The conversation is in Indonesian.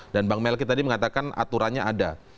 dan bang melky tadi mengatakan aturannya ada